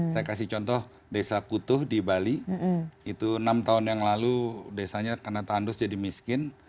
saya kasih contoh desa kutuh di bali itu enam tahun yang lalu desanya karena tandus jadi miskin